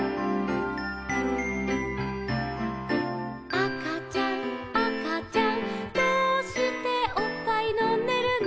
「あかちゃんあかちゃんどうしておっぱいのんでるの」